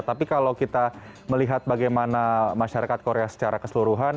tapi kalau kita melihat bagaimana masyarakat korea secara keseluruhan